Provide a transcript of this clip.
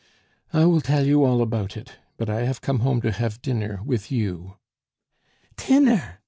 "I will tell you all about it; but I have come home to have dinner with you " "Tinner!